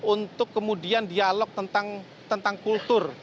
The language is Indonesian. untuk kemudian dialog tentang kultur